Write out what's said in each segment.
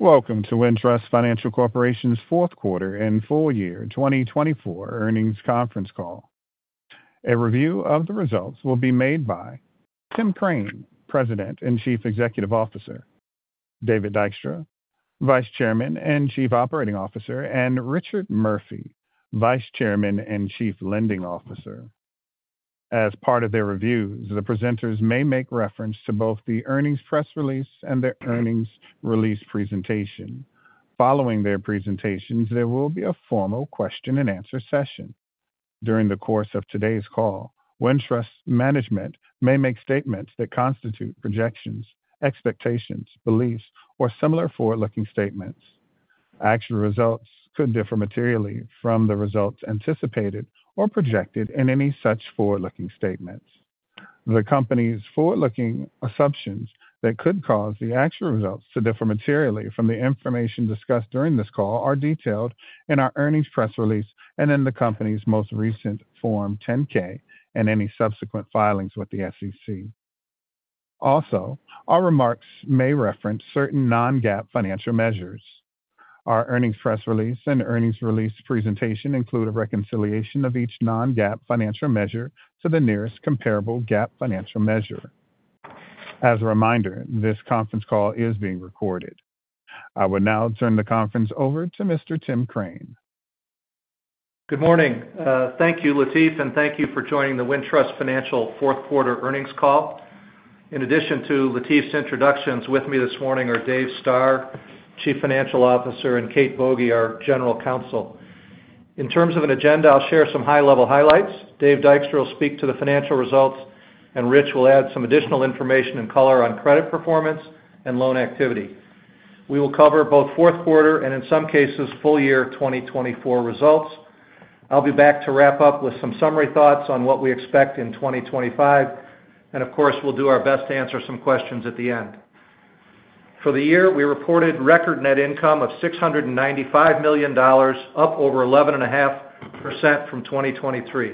Welcome to Wintrust Financial Corporation's fourth quarter and full year 2024 earnings conference call. A review of the results will be made by Tim Crane, President and Chief Executive Officer, David Dykstra, Vice Chairman and Chief Operating Officer, and Richard Murphy, Vice Chairman and Chief Lending Officer. As part of their reviews, the presenters may make reference to both the earnings press release and their earnings release presentation. Following their presentations, there will be a formal question-and-answer session. During the course of today's call, Wintrust Management may make statements that constitute projections, expectations, beliefs, or similar forward-looking statements. Actual results could differ materially from the results anticipated or projected in any such forward-looking statements. The company's forward-looking assumptions that could cause the actual results to differ materially from the information discussed during this call are detailed in our earnings press release and in the company's most recent Form 10-K and any subsequent filings with the SEC. Also, our remarks may reference certain non-GAAP financial measures. Our earnings press release and earnings release presentation include a reconciliation of each non-GAAP financial measure to the nearest comparable GAAP financial measure. As a reminder, this conference call is being recorded. I will now turn the conference over to Mr. Tim Crane. Good morning. Thank you, Latif, and thank you for joining the Wintrust Financial fourth quarter earnings call. In addition to Latif's introductions, with me this morning are Dave Stoehr, Chief Financial Officer, and Kate Boege, our General Counsel. In terms of an agenda, I'll share some high-level highlights. Dave Dykstra will speak to the financial results, and Rich will add some additional information and color on credit performance and loan activity. We will cover both fourth quarter and, in some cases, full year 2024 results. I'll be back to wrap up with some summary thoughts on what we expect in 2025, and of course, we'll do our best to answer some questions at the end. For the year, we reported record net income of $695 million, up over 11.5% from 2023.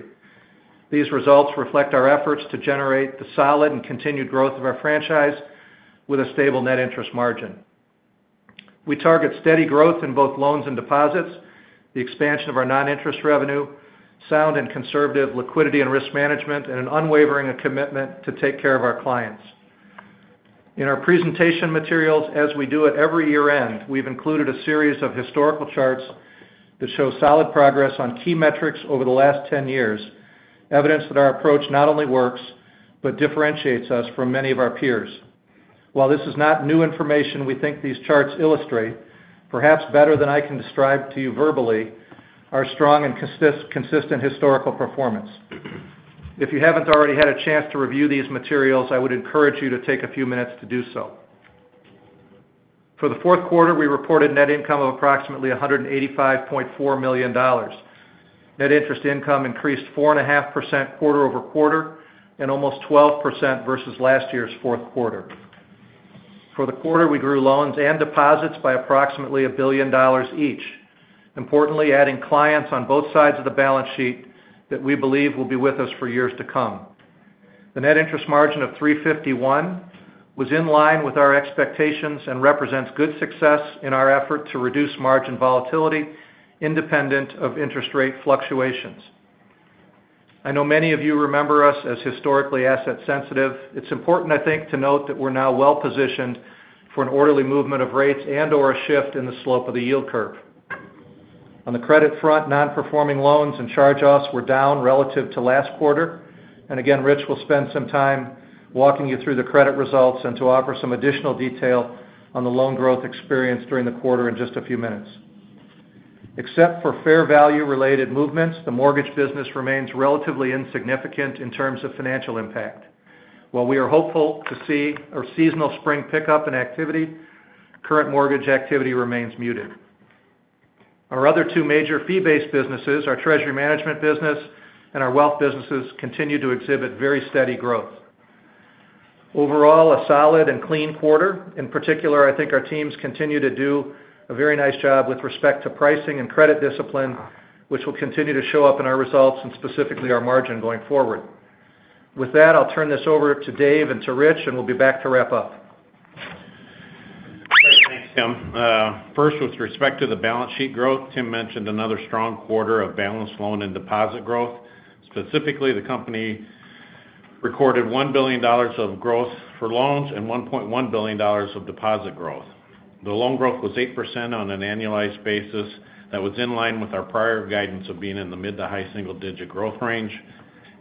These results reflect our efforts to generate the solid and continued growth of our franchise with a stable net interest margin. We target steady growth in both loans and deposits, the expansion of our non-interest revenue, sound and conservative liquidity and risk management, and an unwavering commitment to take care of our clients. In our presentation materials, as we do at every year-end, we've included a series of historical charts that show solid progress on key metrics over the last 10 years, evidence that our approach not only works but differentiates us from many of our peers. While this is not new information we think these charts illustrate, perhaps better than I can describe to you verbally, our strong and consistent historical performance. If you haven't already had a chance to review these materials, I would encourage you to take a few minutes to do so. For the fourth quarter, we reported net income of approximately $185.4 million. Net interest income increased 4.5% quarter over quarter and almost 12% versus last year's fourth quarter. For the quarter, we grew loans and deposits by approximately $1 billion each, importantly adding clients on both sides of the balance sheet that we believe will be with us for years to come. The net interest margin of 3.51 was in line with our expectations and represents good success in our effort to reduce margin volatility independent of interest rate fluctuations. I know many of you remember us as historically asset-sensitive. It's important, I think, to note that we're now well-positioned for an orderly movement of rates and/or a shift in the slope of the yield curve. On the credit front, non-performing loans and charge-offs were down relative to last quarter. And again, Rich will spend some time walking you through the credit results and to offer some additional detail on the loan growth experienced during the quarter in just a few minutes. Except for fair value-related movements, the mortgage business remains relatively insignificant in terms of financial impact. While we are hopeful to see a seasonal spring pickup in activity, current mortgage activity remains muted. Our other two major fee-based businesses, our Treasury management business and our wealth businesses, continue to exhibit very steady growth. Overall, a solid and clean quarter. In particular, I think our teams continue to do a very nice job with respect to pricing and credit discipline, which will continue to show up in our results and specifically our margin going forward. With that, I'll turn this over to Dave and to Rich, and we'll be back to wrap up. Great. Thanks, Tim. First, with respect to the balance sheet growth, Tim mentioned another strong quarter of balance loan and deposit growth. Specifically, the company recorded $1 billion of growth for loans and $1.1 billion of deposit growth. The loan growth was 8% on an annualized basis that was in line with our prior guidance of being in the mid to high single-digit growth range,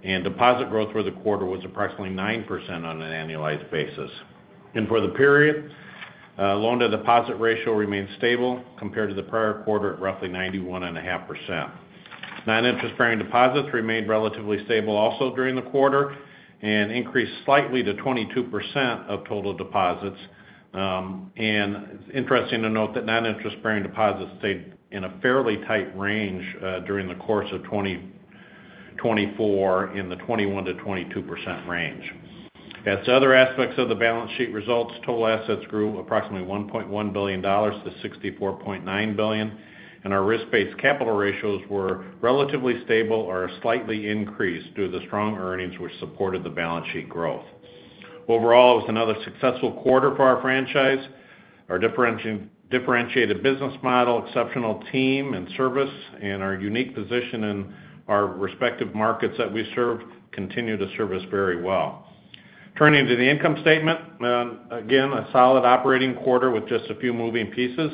and deposit growth for the quarter was approximately 9% on an annualized basis, and for the period, loan-to-deposit ratio remained stable compared to the prior quarter at roughly 91.5%. Non-interest-bearing deposits remained relatively stable also during the quarter and increased slightly to 22% of total deposits, and it's interesting to note that non-interest-bearing deposits stayed in a fairly tight range during the course of 2024 in the 21% to 22% range. As to other aspects of the balance sheet results, total assets grew approximately $1.1 billion to $64.9 billion, and our risk-based capital ratios were relatively stable or slightly increased due to the strong earnings which supported the balance sheet growth. Overall, it was another successful quarter for our franchise. Our differentiated business model, exceptional team and service, and our unique position in our respective markets that we serve continue to serve us very well. Turning to the income statement, again, a solid operating quarter with just a few moving pieces.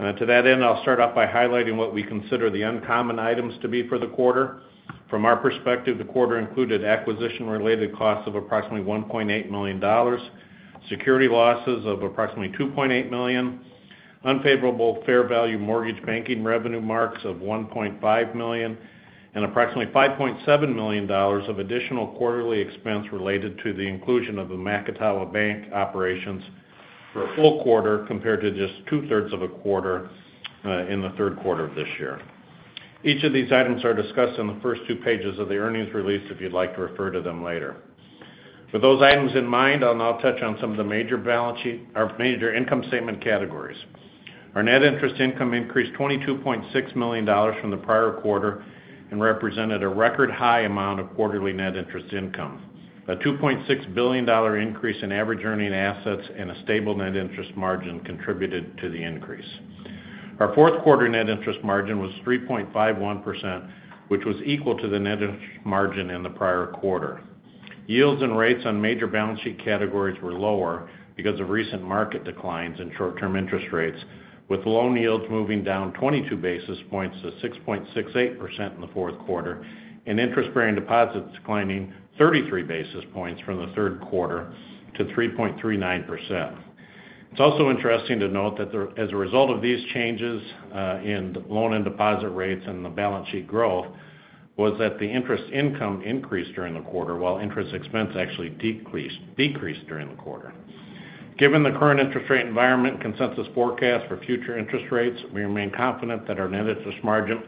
To that end, I'll start off by highlighting what we consider the uncommon items to be for the quarter. From our perspective, the quarter included acquisition-related costs of approximately $1.8 million, security losses of approximately $2.8 million, unfavorable fair value mortgage banking revenue marks of $1.5 million, and approximately $5.7 million of additional quarterly expense related to the inclusion of the Macatawa Bank operations for a full quarter compared to just two-thirds of a quarter in the third quarter of this year. Each of these items are discussed in the first two pages of the earnings release if you'd like to refer to them later. With those items in mind, I'll now touch on some of the major income statement categories. Our net interest income increased $22.6 million from the prior quarter and represented a record high amount of quarterly net interest income. A $2.6 billion increase in average earning assets and a stable net interest margin contributed to the increase. Our fourth quarter net interest margin was 3.51%, which was equal to the net interest margin in the prior quarter. Yields and rates on major balance sheet categories were lower because of recent market declines in short-term interest rates, with loan yields moving down 22 basis points to 6.68% in the fourth quarter and interest-bearing deposits declining 33 basis points from the third quarter to 3.39%. It's also interesting to note that as a result of these changes in loan and deposit rates and the balance sheet growth was that the interest income increased during the quarter while interest expense actually decreased during the quarter. Given the current interest rate environment and consensus forecast for future interest rates, we remain confident that our net interest margin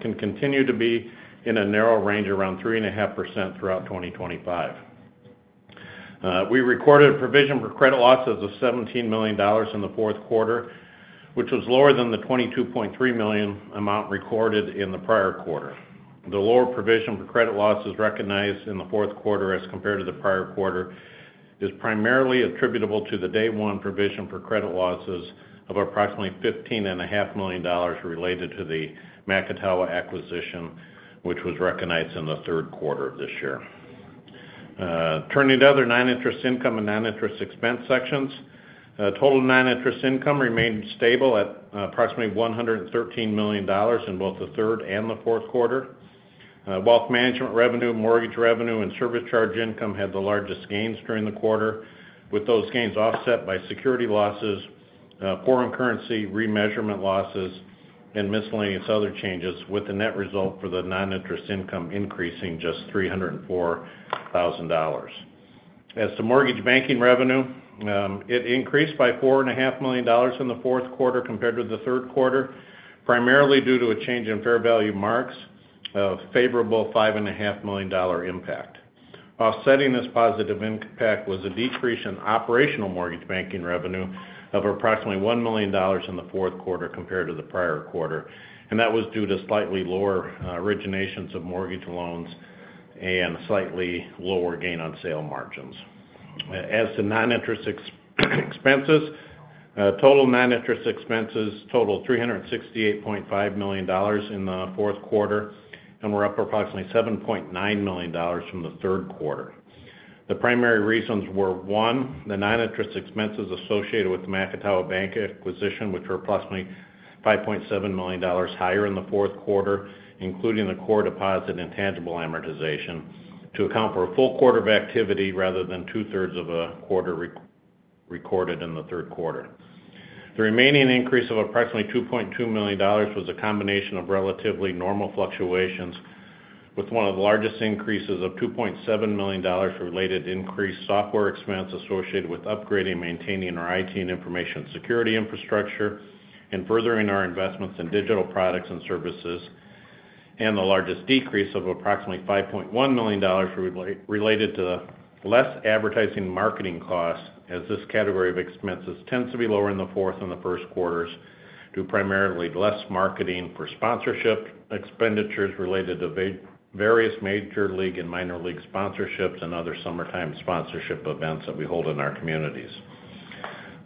can continue to be in a narrow range around 3.5% throughout 2025. We recorded a provision for credit losses of $17 million in the fourth quarter, which was lower than the $22.3 million amount recorded in the prior quarter. The lower provision for credit losses recognized in the fourth quarter as compared to the prior quarter is primarily attributable to the day-one provision for credit losses of approximately $15.5 million related to the Macatawa acquisition, which was recognized in the third quarter of this year. Turning to other non-interest income and non-interest expense sections, total non-interest income remained stable at approximately $113 million in both the third and the fourth quarter. Wealth management revenue, mortgage revenue, and service charge income had the largest gains during the quarter, with those gains offset by security losses, foreign currency remeasurement losses, and miscellaneous other changes, with the net result for the non-interest income increasing just $304,000. As to mortgage banking revenue, it increased by $4.5 million in the fourth quarter compared with the third quarter, primarily due to a change in fair value marks of favorable $5.5 million impact. Offsetting this positive impact was a decrease in operational mortgage banking revenue of approximately $1 million in the fourth quarter compared to the prior quarter, and that was due to slightly lower originations of mortgage loans and slightly lower gain-on-sale margins. As to non-interest expenses, total non-interest expenses totaled $368.5 million in the fourth quarter and were up approximately $7.9 million from the third quarter. The primary reasons were, one, the non-interest expenses associated with the Macatawa Bank acquisition, which were approximately $5.7 million higher in the fourth quarter, including the core deposit intangible amortization, to account for a full quarter of activity rather than two-thirds of a quarter recorded in the third quarter. The remaining increase of approximately $2.2 million was a combination of relatively normal fluctuations with one of the largest increases of $2.7 million related to increased software expense associated with upgrading and maintaining our IT and information security infrastructure and furthering our investments in digital products and services, and the largest decrease of approximately $5.1 million related to less advertising and marketing costs, as this category of expenses tends to be lower in the fourth and the first quarters due primarily to less marketing for sponsorship expenditures related to various major league and minor league sponsorships and other summertime sponsorship events that we hold in our communities.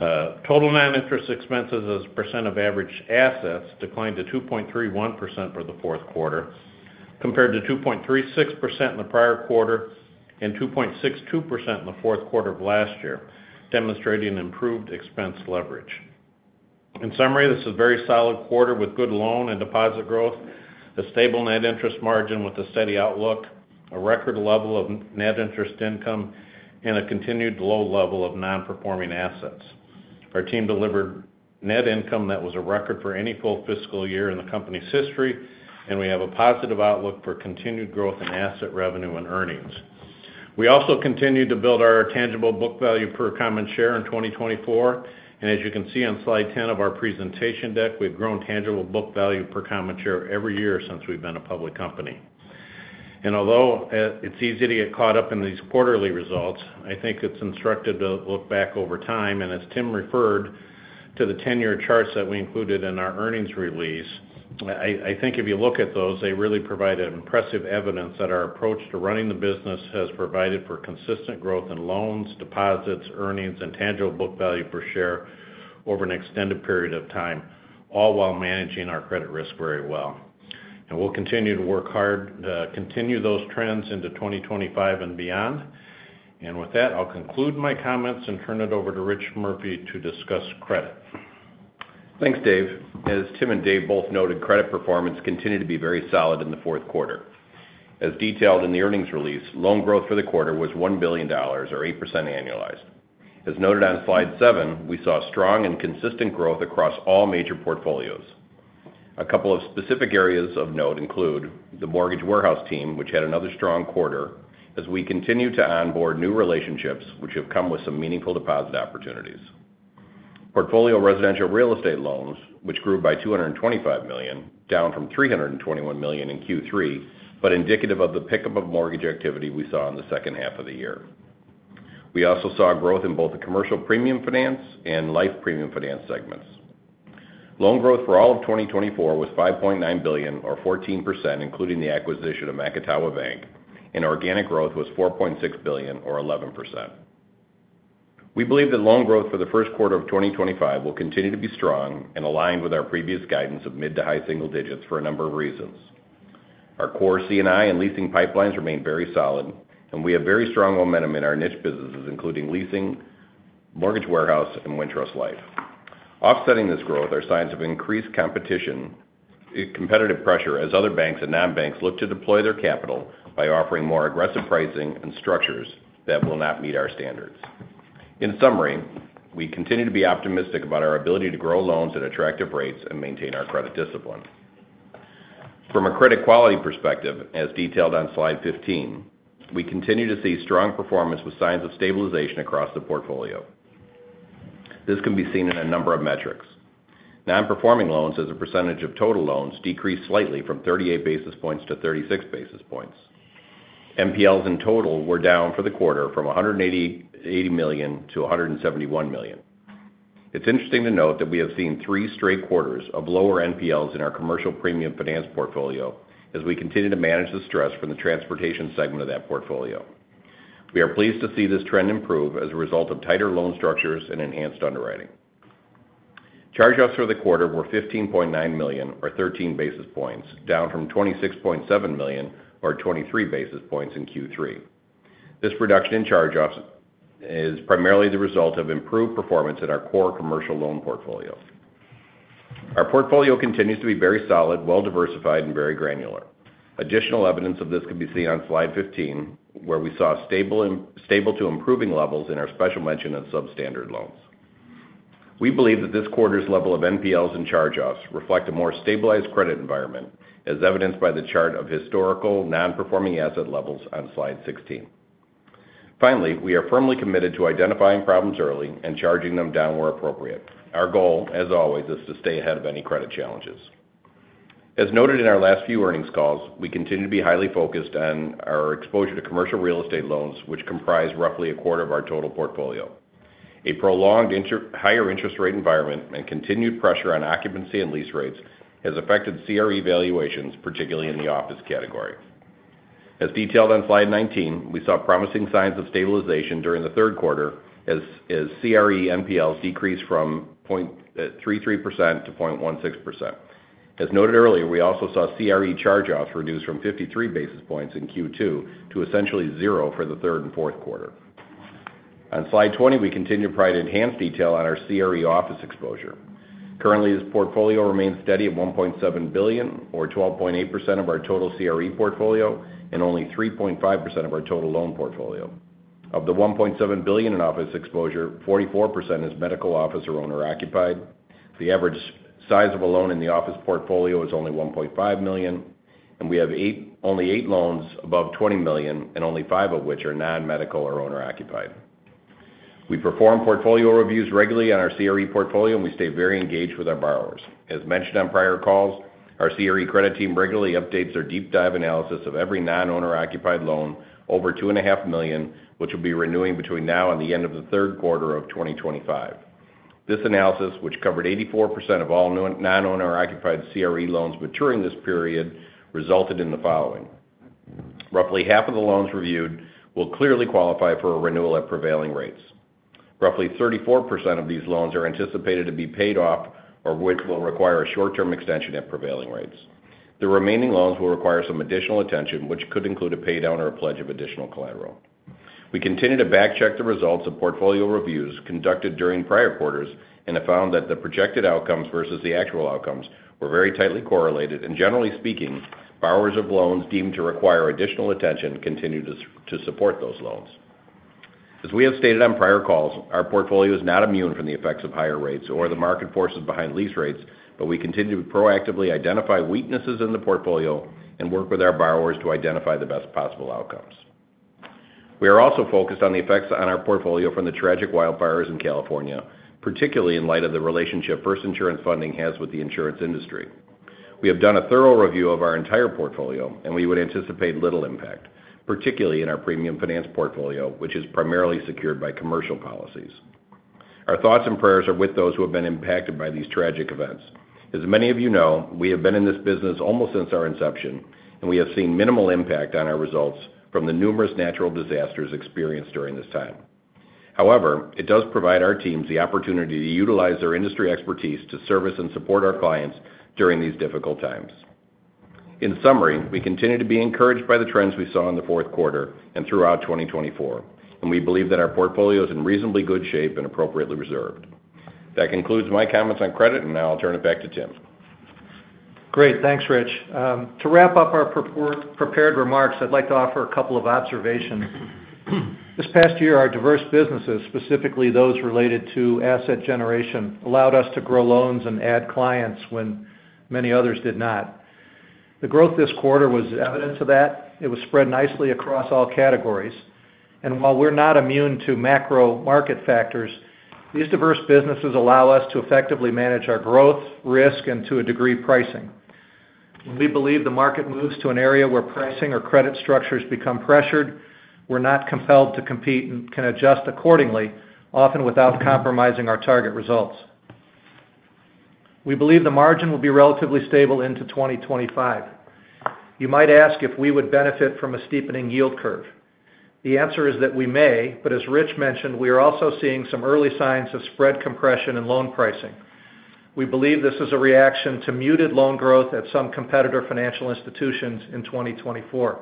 Total non-interest expenses as a percent of average assets declined to 2.31% for the fourth quarter, compared to 2.36% in the prior quarter and 2.62% in the fourth quarter of last year, demonstrating improved expense leverage. In summary, this is a very solid quarter with good loan and deposit growth, a stable net interest margin with a steady outlook, a record level of net interest income, and a continued low level of non-performing assets. Our team delivered net income that was a record for any full fiscal year in the company's history, and we have a positive outlook for continued growth in asset revenue and earnings. We also continued to build our tangible book value per common share in 2024, and as you can see on slide 10 of our presentation deck, we've grown tangible book value per common share every year since we've been a public company. And although it's easy to get caught up in these quarterly results, I think it's instructive to look back over time, and as Tim referred to the 10-year charts that we included in our earnings release, I think if you look at those, they really provide impressive evidence that our approach to running the business has provided for consistent growth in loans, deposits, earnings, and tangible book value per share over an extended period of time, all while managing our credit risk very well. And we'll continue to work hard, continue those trends into 2025 and beyond. And with that, I'll conclude my comments and turn it over to Rich Murphy to discuss credit. Thanks, Dave. As Tim and Dave both noted, credit performance continued to be very solid in the fourth quarter. As detailed in the earnings release, loan growth for the quarter was $1 billion, or 8% annualized. As noted on slide 7, we saw strong and consistent growth across all major portfolios. A couple of specific areas of note include the mortgage warehouse team, which had another strong quarter, as we continue to onboard new relationships, which have come with some meaningful deposit opportunities. Portfolio residential real estate loans, which grew by $225 million, down from $321 million in Q3, but indicative of the pickup of mortgage activity we saw in the second half of the year. We also saw growth in both the commercial premium finance and life premium finance segments. Loan growth for all of 2024 was $5.9 billion, or 14%, including the acquisition of Macatawa Bank, and organic growth was $4.6 billion, or 11%. We believe that loan growth for the first quarter of 2025 will continue to be strong and aligned with our previous guidance of mid to high single digits for a number of reasons. Our core C&I and leasing pipelines remain very solid, and we have very strong momentum in our niche businesses, including leasing, mortgage warehouse, and Wintrust Life. Offsetting this growth are signs of increased competitive pressure as other banks and non-banks look to deploy their capital by offering more aggressive pricing and structures that will not meet our standards. In summary, we continue to be optimistic about our ability to grow loans at attractive rates and maintain our credit discipline. From a credit quality perspective, as detailed on slide 15, we continue to see strong performance with signs of stabilization across the portfolio. This can be seen in a number of metrics. Non-performing loans as a percentage of total loans decreased slightly from 38 basis points to 36 basis points. NPLs in total were down for the quarter from $180 million to $171 million. It's interesting to note that we have seen three straight quarters of lower NPLs in our commercial premium finance portfolio as we continue to manage the stress from the transportation segment of that portfolio. We are pleased to see this trend improve as a result of tighter loan structures and enhanced underwriting. Charge-offs for the quarter were $15.9 million, or 13 basis points, down from $26.7 million, or 23 basis points in Q3. This reduction in charge-offs is primarily the result of improved performance in our core commercial loan portfolio. Our portfolio continues to be very solid, well-diversified, and very granular. Additional evidence of this can be seen on slide 15, where we saw stable to improving levels in our special mention and substandard loans. We believe that this quarter's level of NPLs and charge-offs reflect a more stabilized credit environment, as evidenced by the chart of historical non-performing asset levels on slide 16. Finally, we are firmly committed to identifying problems early and charging them down where appropriate. Our goal, as always, is to stay ahead of any credit challenges. As noted in our last few earnings calls, we continue to be highly focused on our exposure to commercial real estate loans, which comprise roughly a quarter of our total portfolio. A prolonged higher interest rate environment and continued pressure on occupancy and lease rates has affected CRE valuations, particularly in the office category. As detailed on slide 19, we saw promising signs of stabilization during the third quarter as CRE NPLs decreased from 0.33% to 0.16%. As noted earlier, we also saw CRE charge-offs reduce from 53 basis points in Q2 to essentially zero for the third and fourth quarter. On slide 20, we continue to provide enhanced detail on our CRE office exposure. Currently, this portfolio remains steady at $1.7 billion, or 12.8% of our total CRE portfolio, and only 3.5% of our total loan portfolio. Of the $1.7 billion in office exposure, 44% is medical office or owner-occupied. The average size of a loan in the office portfolio is only $1.5 million, and we have only eight loans above $20 million, and only five of which are non-medical or owner-occupied. We perform portfolio reviews regularly on our CRE portfolio, and we stay very engaged with our borrowers. As mentioned on prior calls, our CRE credit team regularly updates their deep-dive analysis of every non-owner-occupied loan over $2.5 million, which will be renewing between now and the end of the third quarter of 2025. This analysis, which covered 84% of all non-owner-occupied CRE loans maturing this period, resulted in the following: roughly half of the loans reviewed will clearly qualify for a renewal at prevailing rates. Roughly 34% of these loans are anticipated to be paid off, or which will require a short-term extension at prevailing rates. The remaining loans will require some additional attention, which could include a paydown or a pledge of additional collateral. We continue to back-check the results of portfolio reviews conducted during prior quarters and have found that the projected outcomes versus the actual outcomes were very tightly correlated, and generally speaking, borrowers of loans deemed to require additional attention continue to support those loans. As we have stated on prior calls, our portfolio is not immune from the effects of higher rates or the market forces behind lease rates, but we continue to proactively identify weaknesses in the portfolio and work with our borrowers to identify the best possible outcomes. We are also focused on the effects on our portfolio from the tragic wildfires in California, particularly in light of the relationship First Insurance Funding has with the insurance industry. We have done a thorough review of our entire portfolio, and we would anticipate little impact, particularly in our premium finance portfolio, which is primarily secured by commercial policies. Our thoughts and prayers are with those who have been impacted by these tragic events. As many of you know, we have been in this business almost since our inception, and we have seen minimal impact on our results from the numerous natural disasters experienced during this time. However, it does provide our teams the opportunity to utilize their industry expertise to service and support our clients during these difficult times. In summary, we continue to be encouraged by the trends we saw in the fourth quarter and throughout 2024, and we believe that our portfolio is in reasonably good shape and appropriately reserved. That concludes my comments on credit, and now I'll turn it back to Tim. Great. Thanks, Rich. To wrap up our prepared remarks, I'd like to offer a couple of observations. This past year, our diverse businesses, specifically those related to asset generation, allowed us to grow loans and add clients when many others did not. The growth this quarter was evidence of that. It was spread nicely across all categories, and while we're not immune to macro market factors, these diverse businesses allow us to effectively manage our growth, risk, and to a degree, pricing. When we believe the market moves to an area where pricing or credit structures become pressured, we're not compelled to compete and can adjust accordingly, often without compromising our target results. We believe the margin will be relatively stable into 2025. You might ask if we would benefit from a steepening yield curve. The answer is that we may, but as Rich mentioned, we are also seeing some early signs of spread compression in loan pricing. We believe this is a reaction to muted loan growth at some competitor financial institutions in 2024.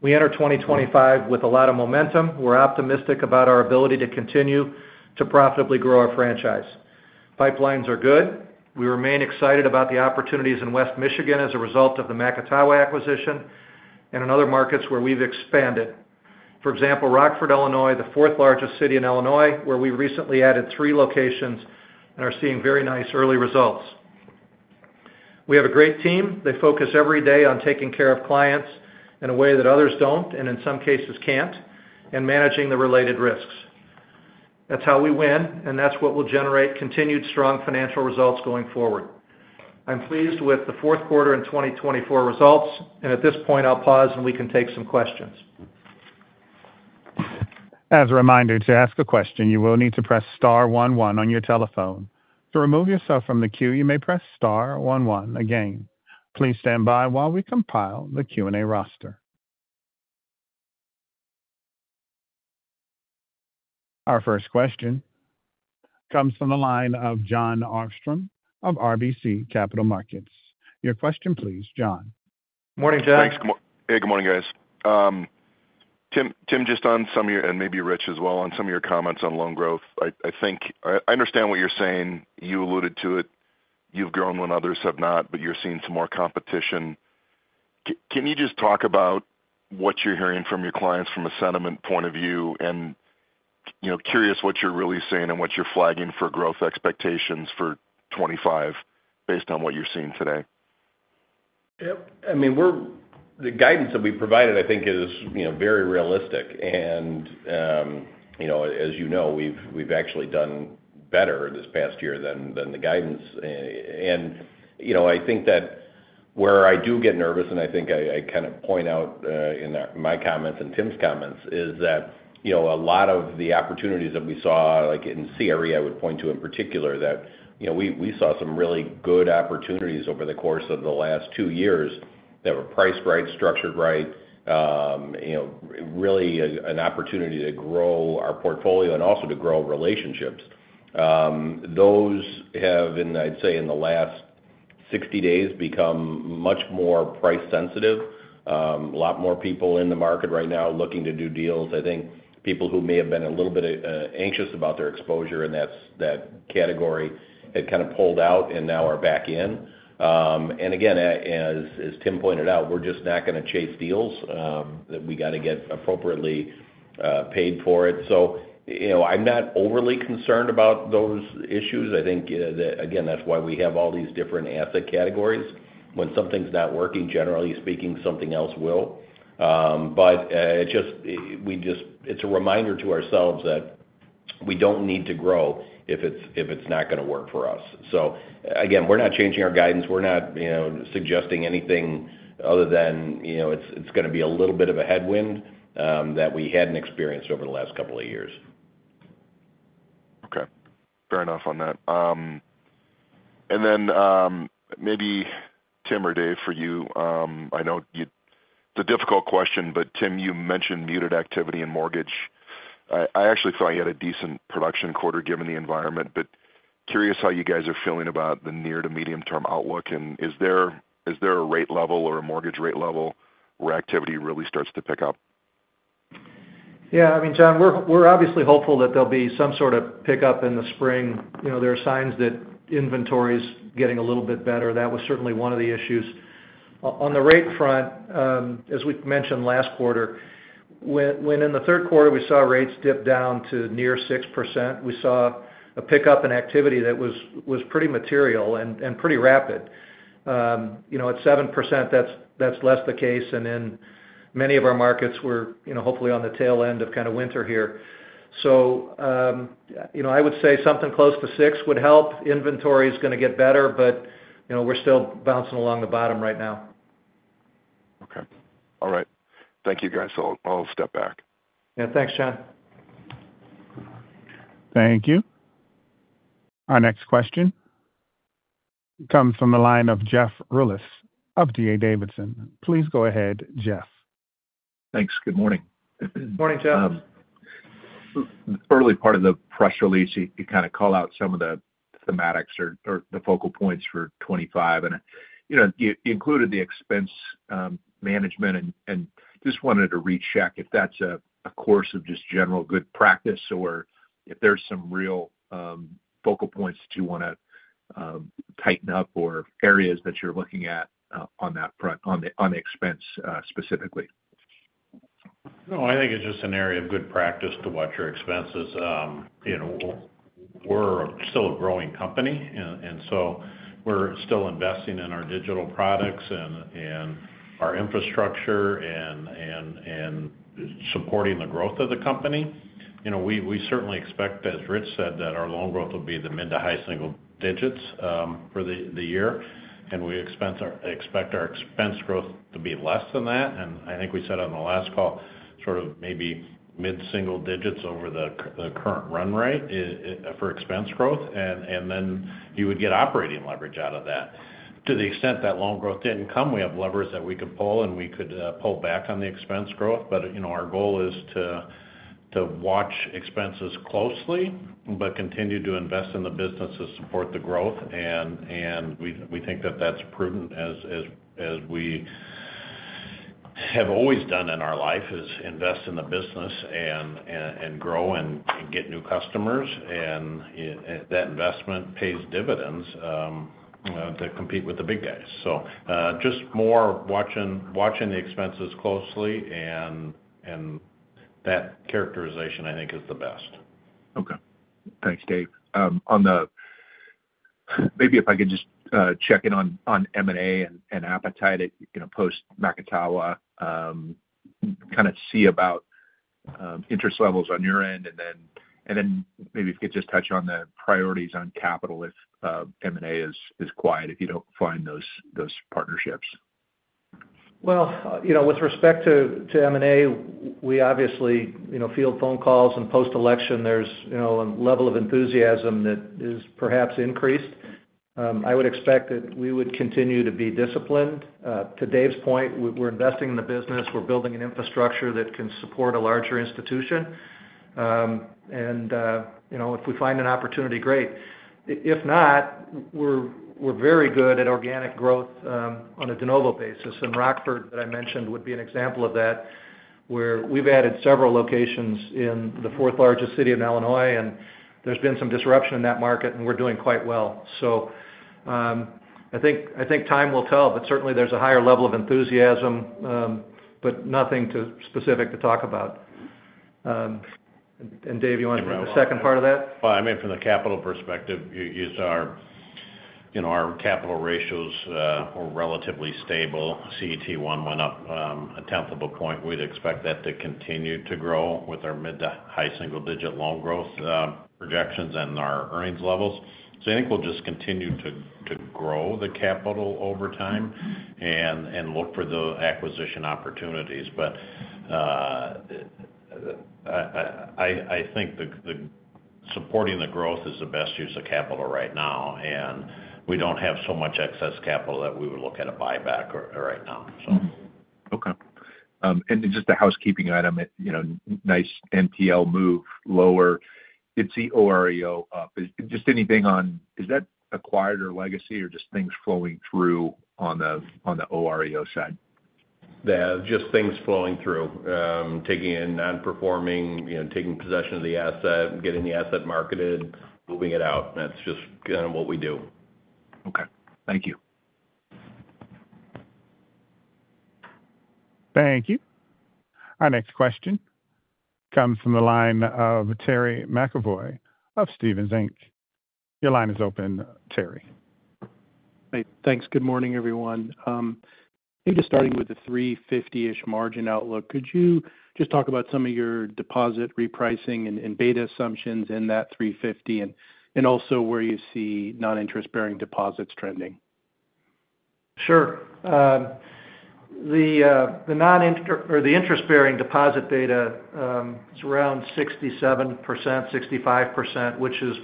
We enter 2025 with a lot of momentum. We're optimistic about our ability to continue to profitably grow our franchise. Pipelines are good. We remain excited about the opportunities in West Michigan as a result of the Macatawa acquisition and in other markets where we've expanded. For example, Rockford, Illinois, the fourth largest city in Illinois, where we recently added three locations and are seeing very nice early results. We have a great team. They focus every day on taking care of clients in a way that others don't and in some cases can't, and managing the related risks. That's how we win, and that's what will generate continued strong financial results going forward. I'm pleased with the fourth quarter in 2024 results, and at this point, I'll pause and we can take some questions. As a reminder, to ask a question, you will need to press star 11 on your telephone. To remove yourself from the queue, you may press star 11 again. Please stand by while we compile the Q&A roster. Our first question comes from the line of Jon Arfstrom of RBC Capital Markets. Your question, please, John. Morning, John. Thanks. Hey, good morning, guys. Tim, just on some of your, and maybe Rich as well, on some of your comments on loan growth, I think I understand what you're saying. You alluded to it. You've grown when others have not, but you're seeing some more competition. Can you just talk about what you're hearing from your clients from a sentiment point of view? And curious what you're really seeing and what you're flagging for growth expectations for 2025 based on what you're seeing today. Yep. I mean, the guidance that we provided, I think, is very realistic, and as you know, we've actually done better this past year than the guidance, and I think that where I do get nervous, and I think I kind of point out in my comments and Tim's comments, is that a lot of the opportunities that we saw, like in CRE, I would point to in particular, that we saw some really good opportunities over the course of the last two years that were priced right, structured right, really an opportunity to grow our portfolio and also to grow relationships. Those have, I'd say, in the last 60 days, become much more price-sensitive. A lot more people in the market right now looking to do deals. I think people who may have been a little bit anxious about their exposure in that category had kind of pulled out and now are back in. And again, as Tim pointed out, we're just not going to chase deals. We got to get appropriately paid for it. So I'm not overly concerned about those issues. I think that, again, that's why we have all these different asset categories. When something's not working, generally speaking, something else will. But it's a reminder to ourselves that we don't need to grow if it's not going to work for us. So again, we're not changing our guidance. We're not suggesting anything other than it's going to be a little bit of a headwind that we hadn't experienced over the last couple of years. Okay. Fair enough on that. And then maybe Tim or Dave for you. I know it's a difficult question, but Tim, you mentioned muted activity in mortgage. I actually thought you had a decent production quarter given the environment, but curious how you guys are feeling about the near to medium-term outlook. And is there a rate level or a mortgage rate level where activity really starts to pick up? Yeah. I mean, John, we're obviously hopeful that there'll be some sort of pickup in the spring. There are signs that inventory is getting a little bit better. That was certainly one of the issues. On the rate front, as we mentioned last quarter, when in the third quarter we saw rates dip down to near 6%, we saw a pickup in activity that was pretty material and pretty rapid. At 7%, that's less the case. And then many of our markets were hopefully on the tail end of kind of winter here. So I would say something close to 6 would help. Inventory is going to get better, but we're still bouncing along the bottom right now. Okay. All right. Thank you, guys. I'll step back. Yeah. Thanks, John. Thank you. Our next question comes from the line of Jeff Rulis of D.A. Davidson. Please go ahead, Jeff. Thanks. Good morning. Good morning, Jeff. Early part of the press release, you kind of call out some of the thematics or the focal points for 2025. And you included the expense management, and just wanted to recheck if that's a course of just general good practice or if there's some real focal points that you want to tighten up or areas that you're looking at on that front, on the expense specifically? No, I think it's just an area of good practice to watch your expenses. We're still a growing company, and so we're still investing in our digital products and our infrastructure and supporting the growth of the company. We certainly expect, as Rich said, that our loan growth will be the mid to high single digits for the year, and we expect our expense growth to be less than that, and I think we said on the last call, sort of maybe mid-single digits over the current run rate for expense growth, and then you would get operating leverage out of that. To the extent that loan growth didn't come, we have levers that we could pull, and we could pull back on the expense growth, but our goal is to watch expenses closely but continue to invest in the business to support the growth. And we think that that's prudent, as we have always done in our life, is invest in the business and grow and get new customers. And that investment pays dividends to compete with the big guys. So just more watching the expenses closely, and that characterization, I think, is the best. Okay. Thanks, Dave. Maybe if I could just check in on M&A and appetite post-Macatawa, kind of see about interest levels on your end, and then maybe if you could just touch on the priorities on capital if M&A is quiet, if you don't find those partnerships. With respect to M&A, we obviously field phone calls and post-election. There's a level of enthusiasm that is perhaps increased. I would expect that we would continue to be disciplined. To Dave's point, we're investing in the business. We're building an infrastructure that can support a larger institution. If we find an opportunity, great. If not, we're very good at organic growth on a de novo basis. Rockford, that I mentioned, would be an example of that, where we've added several locations in the fourth largest city in Illinois, and there's been some disruption in that market, and we're doing quite well. I think time will tell, but certainly there's a higher level of enthusiasm, but nothing specific to talk about. Dave, you want to take the second part of that? Well, I mean, from the capital perspective, our capital ratios are relatively stable. CET1 went up a tenth of a point. We'd expect that to continue to grow with our mid to high single-digit loan growth projections and our earnings levels. So I think we'll just continue to grow the capital over time and look for the acquisition opportunities. But I think supporting the growth is the best use of capital right now. And we don't have so much excess capital that we would look at a buyback right now, so. Okay. And just a housekeeping item, nice NPL move lower. It's the OREO up. Just anything on is that acquired or legacy or just things flowing through on the OREO side? Just things flowing through, taking in non-performing, taking possession of the asset, getting the asset marketed, moving it out. That's just kind of what we do. Okay. Thank you. Thank you. Our next question comes from the line of Terry McEvoy of Stephens Inc. Your line is open, Terry. Thanks. Good morning, everyone. Maybe just starting with the 350-ish margin outlook, could you just talk about some of your deposit repricing and beta assumptions in that 350 and also where you see non-interest-bearing deposits trending? Sure. The non-interest or the interest-bearing deposit beta is around 67%, 65%, which is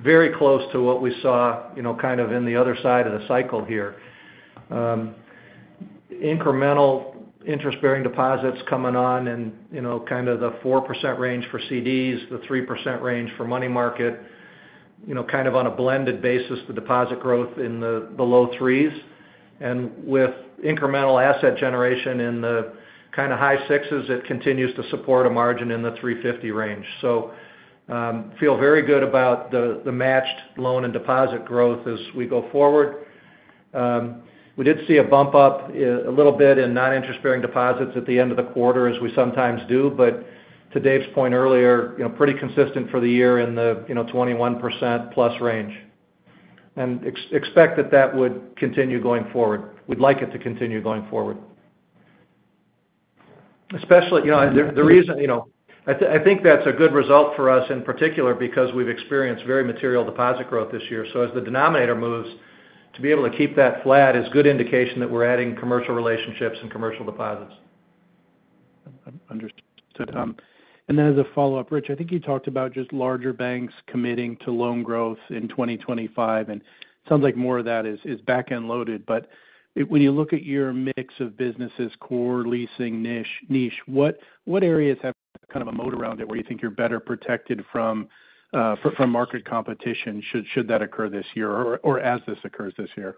very close to what we saw kind of in the other side of the cycle here. Incremental interest-bearing deposits coming on in kind of the 4% range for CDs, the 3% range for money market, kind of on a blended basis, the deposit growth in the low threes. And with incremental asset generation in the kind of high sixes, it continues to support a margin in the 350 range. So I feel very good about the matched loan and deposit growth as we go forward. We did see a bump up a little bit in non-interest-bearing deposits at the end of the quarter, as we sometimes do. But to Dave's point earlier, pretty consistent for the year in the 21% plus range, and expect that that would continue going forward. We'd like it to continue going forward. Especially, the reason I think that's a good result for us in particular because we've experienced very material deposit growth this year, so as the denominator moves, to be able to keep that flat is a good indication that we're adding commercial relationships and commercial deposits. Understood. And then as a follow-up, Rich, I think you talked about just larger banks committing to loan growth in 2025. And it sounds like more of that is back-end loaded. But when you look at your mix of businesses, core leasing niche, what areas have kind of a moat around it where you think you're better protected from market competition should that occur this year or as this occurs this year?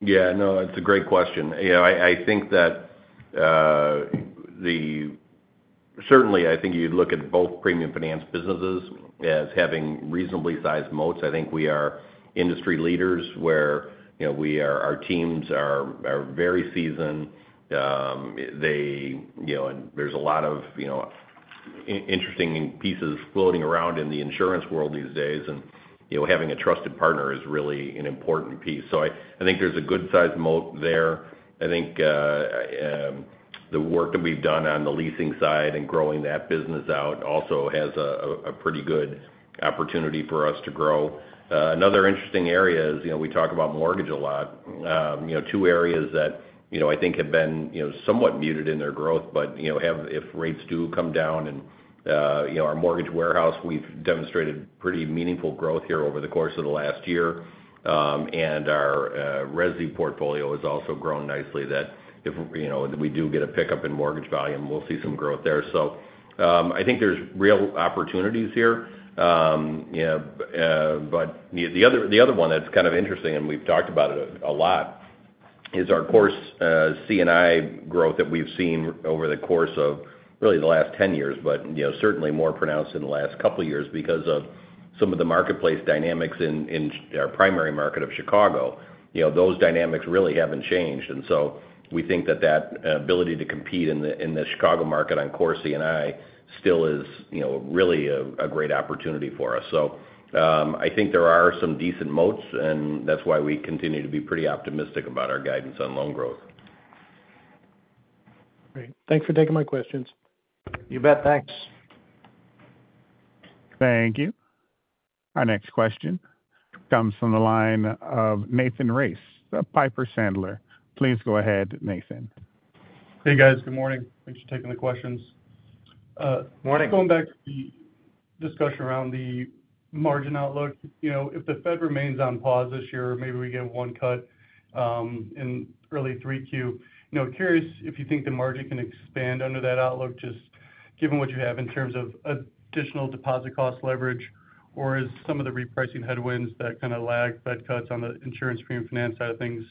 Yeah. No, it's a great question. I think that certainly I think you'd look at both premium finance businesses as having reasonably sized moats. I think we are industry leaders where our teams are very seasoned. There's a lot of interesting pieces floating around in the insurance world these days, and having a trusted partner is really an important piece, so I think there's a good sized moat there. I think the work that we've done on the leasing side and growing that business out also has a pretty good opportunity for us to grow. Another interesting area is we talk about mortgage a lot. Two areas that I think have been somewhat muted in their growth, but if rates do come down, and our mortgage warehouse, we've demonstrated pretty meaningful growth here over the course of the last year. And our resi portfolio has also grown nicely, that if we do get a pickup in mortgage volume, we'll see some growth there. So I think there's real opportunities here. But the other one that's kind of interesting, and we've talked about it a lot, is our core C&I growth that we've seen over the course of really the last 10 years, but certainly more pronounced in the last couple of years because of some of the marketplace dynamics in our primary market of Chicago. Those dynamics really haven't changed. And so we think that that ability to compete in the Chicago market on core C&I still is really a great opportunity for us. So I think there are some decent moats, and that's why we continue to be pretty optimistic about our guidance on loan growth. Great. Thanks for taking my questions. You bet. Thanks. Thank you. Our next question comes from the line of Nathan Race, Piper Sandler. Please go ahead, Nathan. Hey, guys. Good morning. Thanks for taking the questions. Morning. Just going back to the discussion around the margin outlook. If the Fed remains on pause this year, maybe we get one cut in early 3Q. Curious if you think the margin can expand under that outlook, just given what you have in terms of additional deposit cost leverage, or is some of the repricing headwinds that kind of lag Fed cuts on the insurance premium finance side of things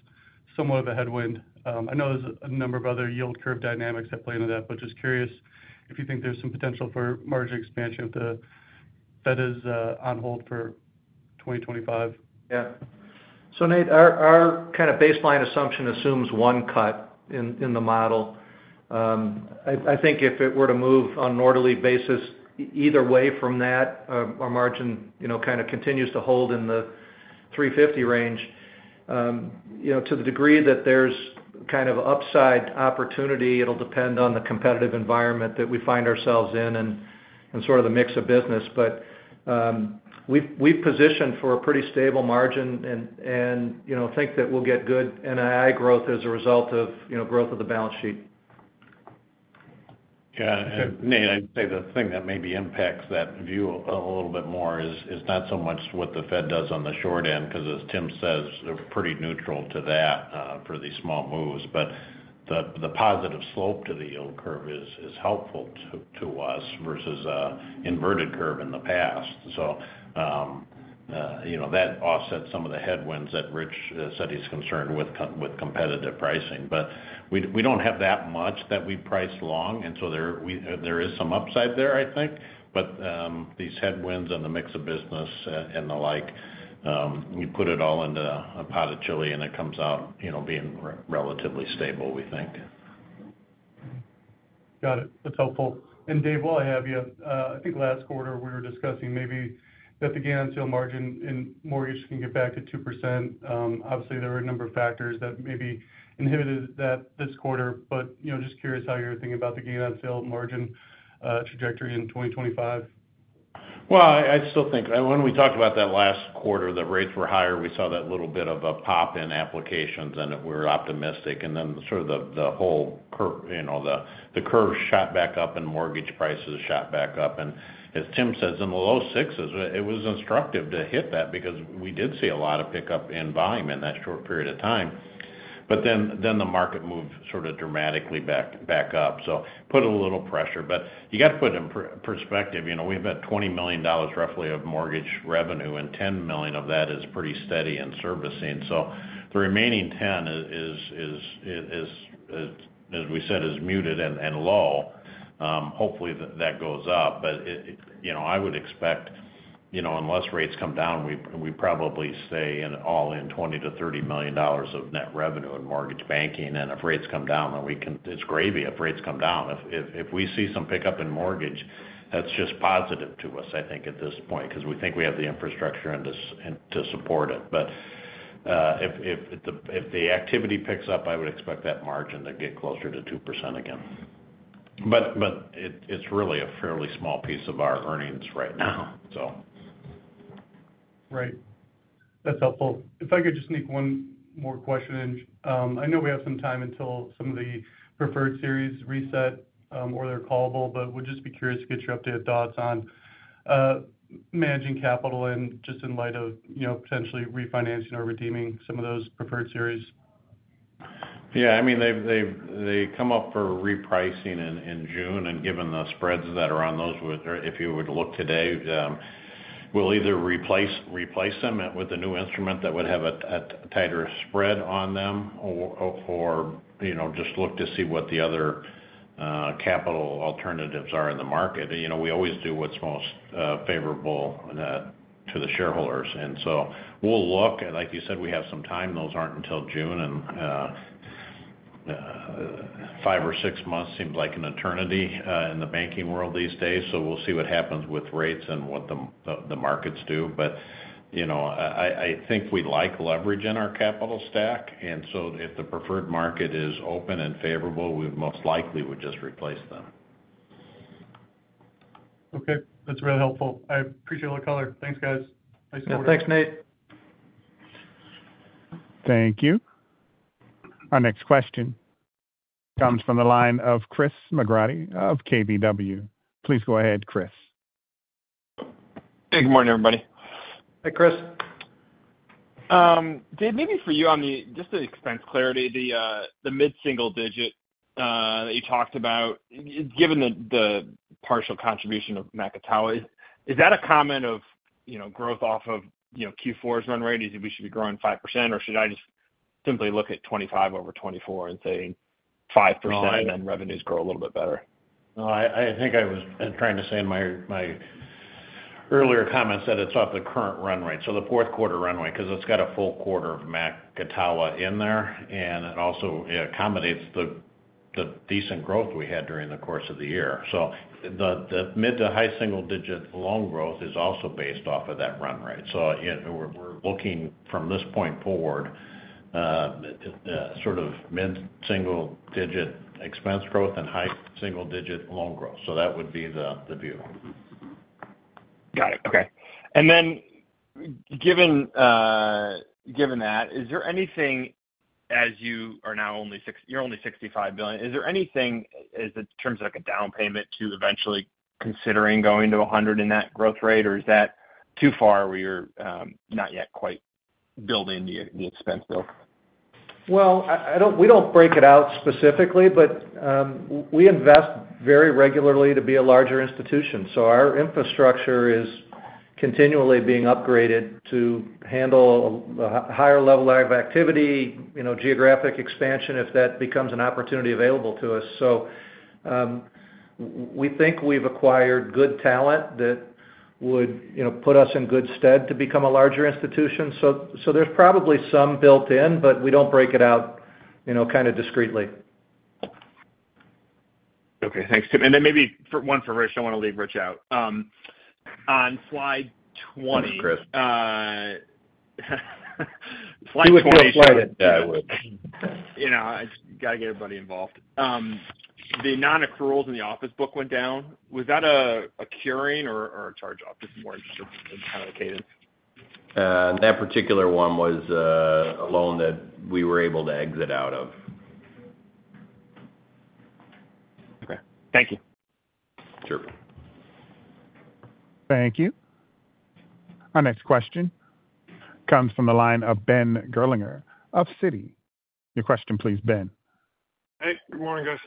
somewhat of a headwind? I know there's a number of other yield curve dynamics that play into that, but just curious if you think there's some potential for margin expansion if the Fed is on hold for 2025. Yeah. So, Nate, our kind of baseline assumption assumes one cut in the model. I think if it were to move on an orderly basis either way from that, our margin kind of continues to hold in the 350 range. To the degree that there's kind of upside opportunity, it'll depend on the competitive environment that we find ourselves in and sort of the mix of business. But we've positioned for a pretty stable margin and think that we'll get good NII growth as a result of growth of the balance sheet. Yeah. And Nate, I'd say the thing that maybe impacts that view a little bit more is not so much what the Fed does on the short end, because as Tim says, they're pretty neutral to that for these small moves. But the positive slope to the yield curve is helpful to us versus an inverted curve in the past. So that offsets some of the headwinds that Rich said he's concerned with competitive pricing. But we don't have that much that we price long. And so there is some upside there, I think. But these headwinds and the mix of business and the like, we put it all into a pot of chili, and it comes out being relatively stable, we think. Got it. That's helpful. And Dave, while I have you, I think last quarter we were discussing maybe that the gain on sale margin in mortgage can get back to 2%. Obviously, there were a number of factors that maybe inhibited that this quarter. But just curious how you're thinking about the gain on sale margin trajectory in 2025? I still think when we talked about that last quarter, the rates were higher. We saw that little bit of a pop in applications, and we were optimistic. Then sort of the whole curve shot back up, and mortgage prices shot back up. As Tim says, in the low sixes, it was instructive to hit that because we did see a lot of pickup in volume in that short period of time. Then the market moved sort of dramatically back up. So put a little pressure. You got to put it in perspective. We have about $20 million roughly of mortgage revenue, and $10 million of that is pretty steady in servicing. The remaining $10 million, as we said, is muted and low. Hopefully, that goes up. But I would expect, unless rates come down, we probably stay all in $20-$30 million of net revenue in mortgage banking. And if rates come down, then we can. It's gravy if rates come down. If we see some pickup in mortgage, that's just positive to us, I think, at this point, because we think we have the infrastructure to support it. But if the activity picks up, I would expect that margin to get closer to 2% again. But it's really a fairly small piece of our earnings right now, so. Right. That's helpful. If I could just sneak one more question in, I know we have some time until some of the preferred series reset or they're callable, but would just be curious to get your updated thoughts on managing capital and just in light of potentially refinancing or redeeming some of those preferred series? Yeah. I mean, they come up for repricing in June. And given the spreads that are on those, if you would look today, we'll either replace them with a new instrument that would have a tighter spread on them or just look to see what the other capital alternatives are in the market. We always do what's most favorable to the shareholders. And so we'll look. And like you said, we have some time. Those aren't until June. And five or six months seems like an eternity in the banking world these days. So we'll see what happens with rates and what the markets do. But I think we like leverage in our capital stack. And so if the preferred market is open and favorable, we most likely would just replace them. Okay. That's really helpful. I appreciate all the color. Thanks, guys. Nice to work. Thanks, Nate. Thank you. Our next question comes from the line of Chris McGratty of KBW. Please go ahead, Chris. Hey, good morning, everybody. Hey, Chris. Dave, maybe for you on just the expense clarity, the mid-single digit that you talked about, given the partial contribution of Macatawa, is that a comment of growth off of Q4's run rate? Is it we should be growing 5%, or should I just simply look at 25 over 24 and say 5%, and then revenues grow a little bit better? No, I think I was trying to say in my earlier comments that it's off the current run rate. So the fourth quarter run rate, because it's got a full quarter of Macatawa in there. And it also accommodates the decent growth we had during the course of the year. So the mid- to high-single-digit loan growth is also based off of that run rate. So we're looking from this point forward, sort of mid-single-digit expense growth and high-single-digit loan growth. So that would be the view. Got it. Okay. And then given that, is there anything as you are now you're only $65 billion? Is there anything in terms of a down payment to eventually considering going to $100 billion in that growth rate, or is that too far where you're not yet quite building the expense bill? Well, we don't break it out specifically, but we invest very regularly to be a larger institution. So our infrastructure is continually being upgraded to handle a higher level of activity, geographic expansion if that becomes an opportunity available to us. So we think we've acquired good talent that would put us in good stead to become a larger institution. So there's probably some built in, but we don't break it out kind of discretely. Okay. Thanks, Tim. And then maybe one for Rich. I want to leave Rich out. On slide 20. This is Chris. Slide 20. Do a quick slide at that, Rich. I just got to get everybody involved. The non-accruals in the office book went down. Was that a curing or a charge-off? Just more just kind of a cadence. That particular one was a loan that we were able to exit out of. Okay. Thank you. Sure. Thank you. Our next question comes from the line of Ben Gerlinger of Citi. Your question, please, Ben. Hey. Good morning, guys.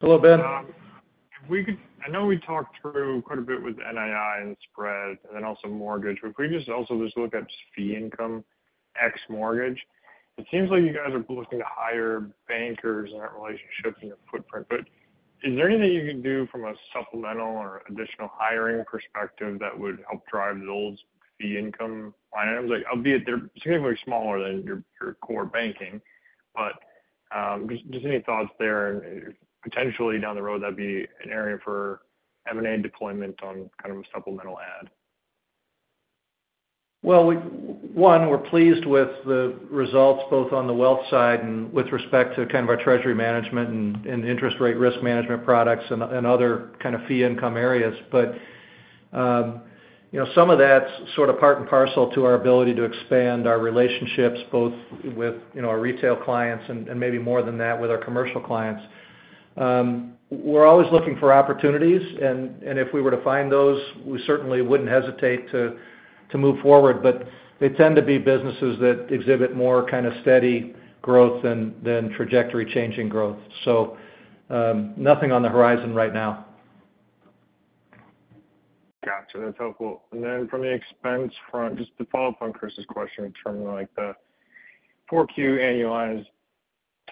Hello, Ben. I know we talked through quite a bit with NII and spread and then also mortgage. But if we just also look at fee income ex-mortgage, it seems like you guys are looking to hire bankers in that relationship in your footprint. But is there anything you can do from a supplemental or additional hiring perspective that would help drive those fee income line items? Albeit they're significantly smaller than your core banking. But just any thoughts there? And potentially down the road, that'd be an area for M&A deployment on kind of a supplemental add. One, we're pleased with the results both on the wealth side and with respect to kind of our treasury management and interest rate risk management products and other kind of fee income areas. Some of that's sort of part and parcel to our ability to expand our relationships both with our retail clients and maybe more than that with our commercial clients. We're always looking for opportunities. If we were to find those, we certainly wouldn't hesitate to move forward. They tend to be businesses that exhibit more kind of steady growth than trajectory-changing growth. Nothing on the horizon right now. Gotcha. That's helpful. And then from the expense front, just to follow up on Chris's question in terms of the 4Q annualized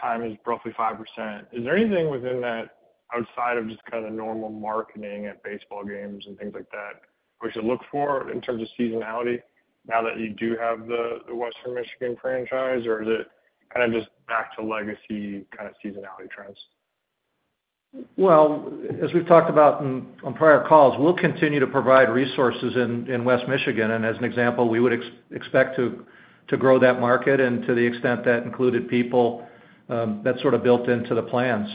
time is roughly 5%. Is there anything within that outside of just kind of normal marketing at baseball games and things like that we should look for in terms of seasonality now that you do have the West Michigan franchise? Or is it kind of just back to legacy kind of seasonality trends? As we've talked about on prior calls, we'll continue to provide resources in West Michigan. As an example, we would expect to grow that market and to the extent that included people that's sort of built into the plan.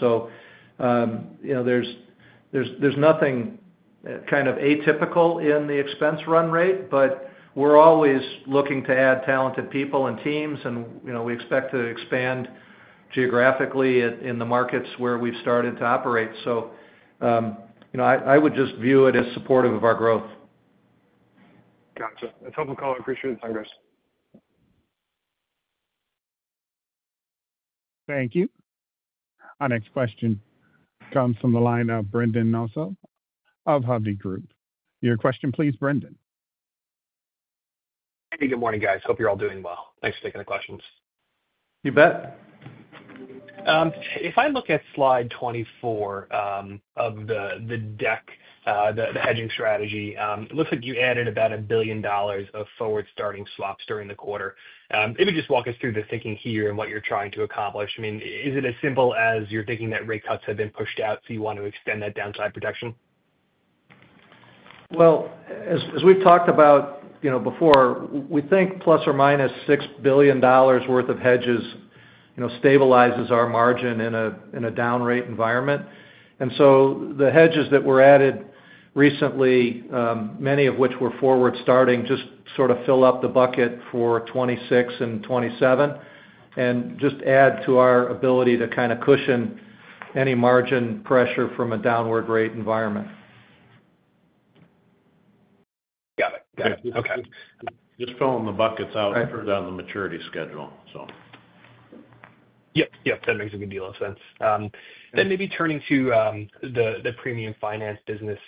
There's nothing kind of atypical in the expense run rate, but we're always looking to add talented people and teams. We expect to expand geographically in the markets where we've started to operate. I would just view it as supportive of our growth. Gotcha. That's helpful call. I appreciate the time, guys. Thank you. Our next question comes from the line of Brendan Nosal of Hovde Group. Your question, please, Brendan. Hey, good morning, guys. Hope you're all doing well. Thanks for taking the questions. You bet. If I look at slide 24 of the deck, the hedging strategy, it looks like you added about $1 billion of forward starting swaps during the quarter. Maybe just walk us through the thinking here and what you're trying to accomplish. I mean, is it as simple as you're thinking that rate cuts have been pushed out, so you want to extend that downside protection? As we've talked about before, we think plus or minus $6 billion worth of hedges stabilizes our margin in a down rate environment. So the hedges that were added recently, many of which were forward starting, just sort of fill up the bucket for 2026 and 2027 and just add to our ability to kind of cushion any margin pressure from a downward rate environment. Got it. Got it. Okay. Just filling the buckets out for the maturity schedule, so. Yep. Yep. That makes a good deal of sense, then maybe turning to the premium finance business,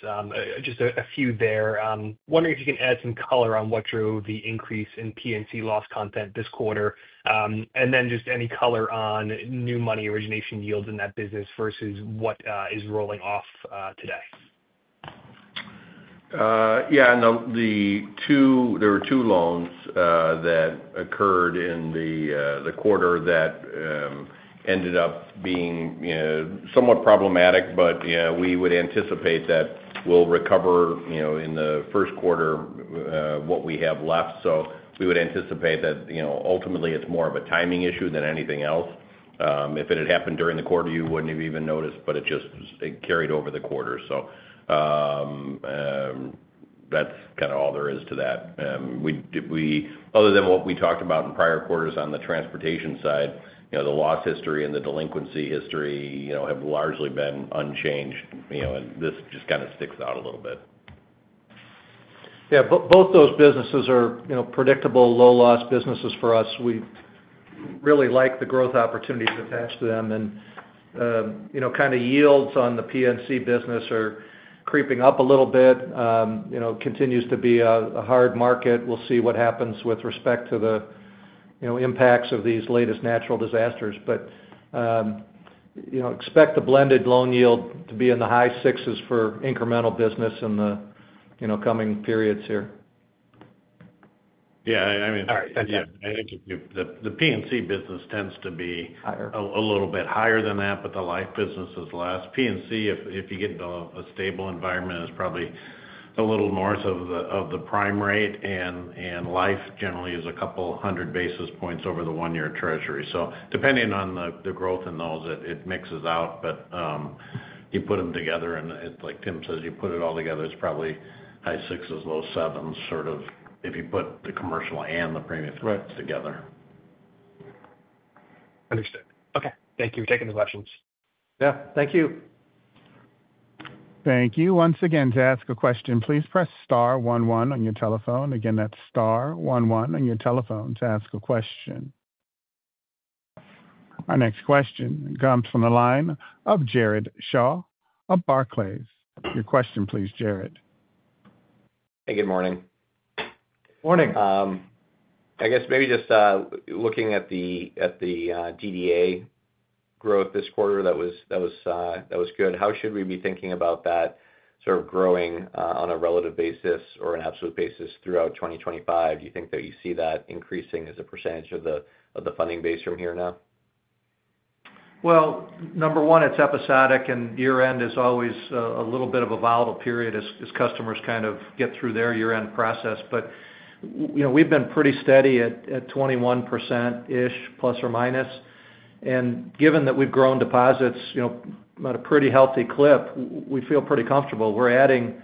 just a few there. Wondering if you can add some color on what drew the increase in P&C loss content this quarter, and then just any color on new money origination yields in that business versus what is rolling off today. Yeah. There were two loans that occurred in the quarter that ended up being somewhat problematic, but we would anticipate that we'll recover in the first quarter what we have left. So we would anticipate that ultimately it's more of a timing issue than anything else. If it had happened during the quarter, you wouldn't have even noticed, but it just carried over the quarter. So that's kind of all there is to that. Other than what we talked about in prior quarters on the transportation side, the loss history and the delinquency history have largely been unchanged, and this just kind of sticks out a little bit. Yeah. Both those businesses are predictable low-loss businesses for us. We really like the growth opportunities attached to them, and kind of yields on the P&C business are creeping up a little bit. It continues to be a hard market. We'll see what happens with respect to the impacts of these latest natural disasters, but expect the blended loan yield to be in the high sixes for incremental business in the coming periods here. Yeah. I mean. All right. Thank you. I think the P&C business tends to be a little bit higher than that, but the life business is less. P&C, if you get into a stable environment, is probably a little north of the prime rate. And life generally is a couple hundred basis points over the one-year treasury. So depending on the growth in those, it mixes out. But you put them together, and like Tim says, you put it all together, it's probably high sixes low sevens sort of if you put the commercial and the premium together. Understood. Okay. Thank you for taking the questions. Yeah. Thank you. Thank you. Once again, to ask a question, please press star 11 on your telephone. Again, that's star 11 on your telephone to ask a question. Our next question comes from the line of Jared Shaw of Barclays. Your question, please, Jared. Hey, good morning. Morning. I guess maybe just looking at the DDA growth this quarter, that was good. How should we be thinking about that sort of growing on a relative basis or an absolute basis throughout 2025? Do you think that you see that increasing as a percentage of the funding base from here now? Number one, it's episodic. Year-end is always a little bit of a volatile period as customers kind of get through their year-end process. We've been pretty steady at 21%-ish plus or minus. Given that we've grown deposits at a pretty healthy clip, we feel pretty comfortable. We're adding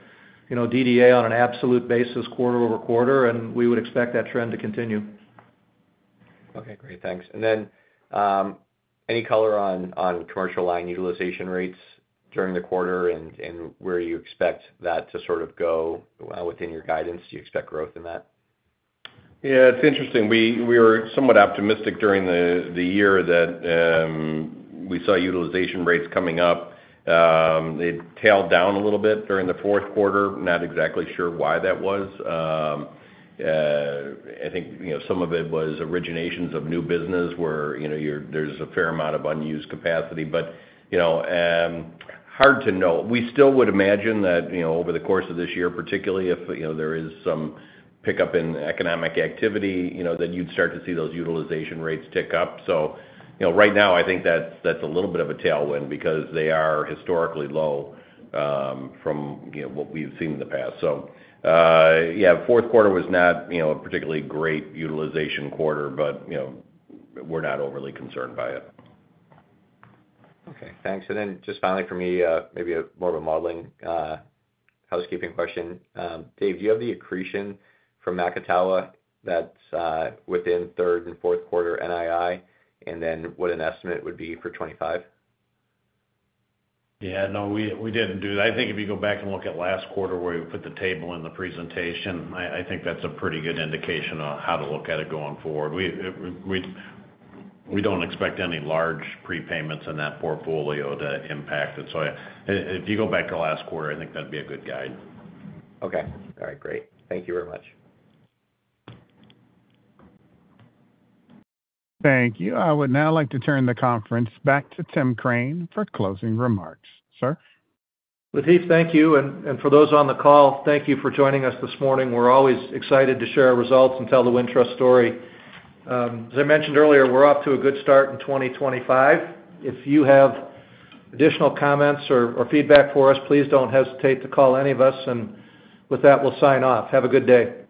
DDA on an absolute basis quarter over quarter, and we would expect that trend to continue. Okay. Great. Thanks. And then any color on commercial line utilization rates during the quarter and where you expect that to sort of go within your guidance? Do you expect growth in that? Yeah. It's interesting. We were somewhat optimistic during the year that we saw utilization rates coming up. It tailed down a little bit during the fourth quarter. Not exactly sure why that was. I think some of it was originations of new business where there's a fair amount of unused capacity. But hard to know. We still would imagine that over the course of this year, particularly if there is some pickup in economic activity, that you'd start to see those utilization rates tick up. So right now, I think that's a little bit of a tailwind because they are historically low from what we've seen in the past. So yeah, fourth quarter was not a particularly great utilization quarter, but we're not overly concerned by it. Okay. Thanks. And then just finally for me, maybe more of a modeling housekeeping question. Dave, do you have the accretion from Macatawa that's within third and fourth quarter NII? And then what an estimate would be for 2025? Yeah. No, we didn't do that. I think if you go back and look at last quarter where we put the table in the presentation, I think that's a pretty good indication of how to look at it going forward. We don't expect any large prepayments in that portfolio to impact it. So if you go back to last quarter, I think that'd be a good guide. Okay. All right. Great. Thank you very much. Thank you. I would now like to turn the conference back to Tim Crane for closing remarks. Sir. Dave, thank you. For those on the call, thank you for joining us this morning. We're always excited to share results and tell the Wintrust story. As I mentioned earlier, we're off to a good start in 2025. If you have additional comments or feedback for us, please don't hesitate to call any of us. With that, we'll sign off. Have a good day.